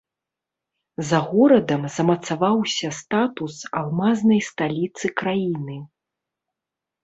За горадам замацаваўся статус алмазнай сталіцы краіны.